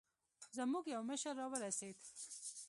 زموږ يو مشر راورسېد.